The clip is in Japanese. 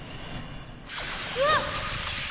うわっ！